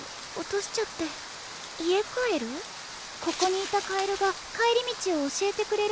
ここにいたカエルが帰り道を教えてくれるはずだったの。